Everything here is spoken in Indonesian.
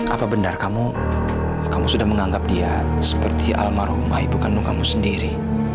apa benar kamu kamu sudah menganggap dia seperti almarhumah ibu kandung kamu sendiri